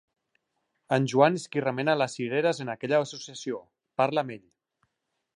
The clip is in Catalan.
En Joan és qui remena les cireres en aquella associació. Parla amb ell.